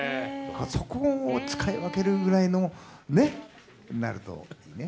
そこを使い分けられるぐらいのね、なるといいね。